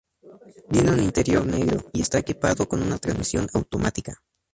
Tiene un interior negro, y está equipado con una transmisión automática.